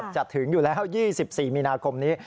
จัดถึงอยู่แล้ว๒๔มิคมนี้